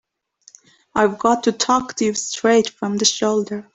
I've got to talk to you straight from the shoulder.